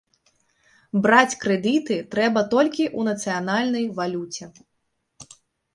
Браць крэдыты трэба толькі ў нацыянальнай валюце.